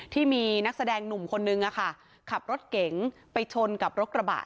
ที่มีนักแสดงหนุ่มคนนึงขับรถเก๋งไปชนกับรถกระบะ